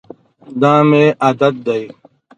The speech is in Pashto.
دا مي عادت دی .